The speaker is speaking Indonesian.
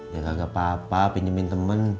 ya gak apa apa pinjemin temen